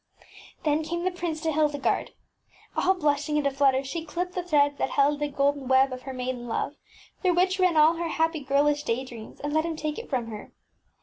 Then came the prince to Hildegarde. All blush ing and aflutter, she clipped the threads that held the golden web of her maiden love, through which ran all her happy girlish day dreams, and let him take it from her.